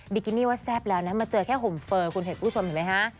กินี่ว่าแซ่บแล้วนะมาเจอแค่ห่มเฟอร์คุณผู้ชมเห็นไหมฮะ